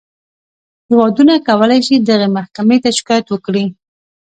هېوادونه کولی شي دغې محکمې ته شکایت وکړي.